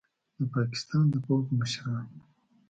د پاکستان د پوځ مشران